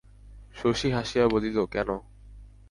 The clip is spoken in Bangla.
শশী হাসিয়া বলিল, কেন?